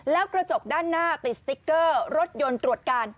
แล้วกระจกด้านหน้าติดสติ๊กเกอร์รถยนต์ตรวจการ